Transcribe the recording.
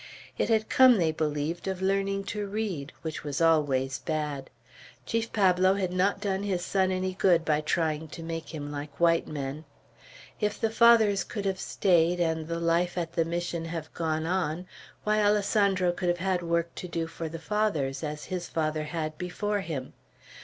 It had come, they believed, of learning to read, which was always bad. Chief Pablo had not done his son any good by trying to make him like white men. If the Fathers could have stayed, and the life at the Mission have gone on, why, Alessandro could have had work to do for the Fathers, as his father had before him.